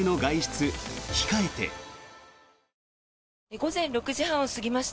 午前６時半を過ぎました。